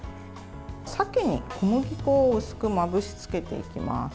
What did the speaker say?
鮭に小麦粉を薄くまぶしつけていきます。